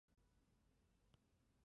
男主演洼田正孝由作者选定。